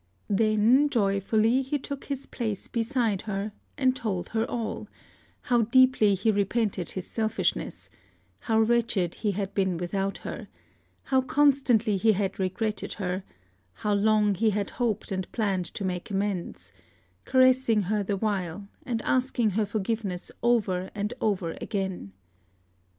Then joyfully he took his place beside her, and told her all: how deeply he repented his selfishness, how wretched he had been without her, how constantly he had regretted her, how long he had hoped and planned to make amends; caressing her the while, and asking her forgiveness over and over again.